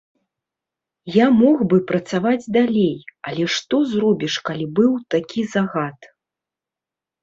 Я мог бы працаваць далей, але што зробіш, калі быў такі загад.